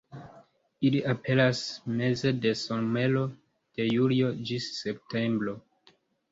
Ili aperas meze de somero, de julio ĝis septembro.